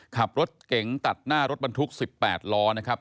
ขับรถเก๋งตัดหน้ารถบรรทุก๑๘ล้อนะครับ